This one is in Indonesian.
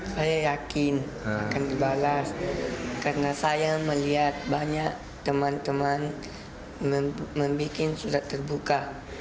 saya yakin akan dibalas karena saya melihat banyak teman teman membuat surat terbuka